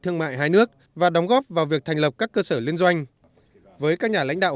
thương mại hai nước và đóng góp vào việc thành lập các cơ sở liên doanh với các nhà lãnh đạo